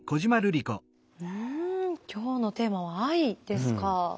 うん今日のテーマは藍ですか。